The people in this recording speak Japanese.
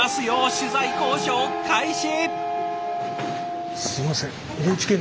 取材交渉開始！